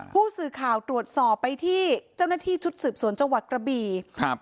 ผู้สื่อข่าวตรวจสอบไปที่เจ้าหน้าที่ชุดสืบสวนจังหวัดกระบีครับ